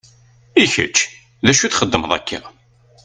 I kečči d acu i txeddmeḍ akka?